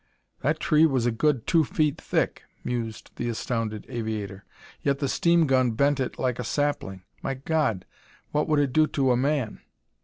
"That tree was a good two feet thick," mused the astounded aviator, "yet the steam gun bent it like a sapling. My God! What would it do to a man?"